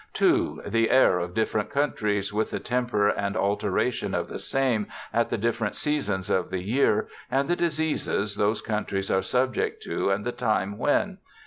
2. The aire of different countries, with the temper and alteration of the same at the different seasons of the year, and the diseases those countries are subject to and the time when.